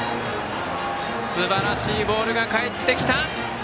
すばらしいボールが返ってきた。